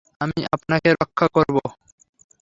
আমি আপনাকে রক্ষা করব।